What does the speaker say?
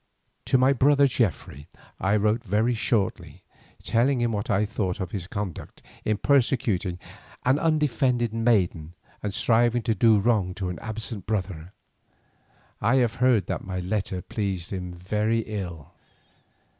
To my brother Geoffrey I wrote very shortly, telling him what I thought of his conduct in persecuting an undefended maiden and striving to do wrong to an absent brother. I have heard that my letter pleased him very ill.